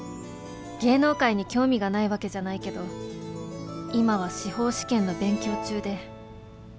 芸能界に興味がないわけじゃないけど今は司法試験の勉強中で。